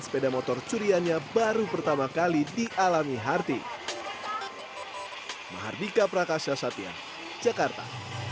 sepeda motor curiannya baru pertama kali dialami harti mardika prakasyasatya jakarta